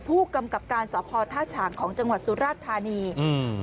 ผู้กำกับการสอบพอท่าฉางของจังหวัดสุราชธานีอืม